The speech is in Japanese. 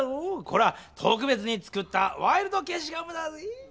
これはとくべつに作ったワイルドけしごむだぜぇ！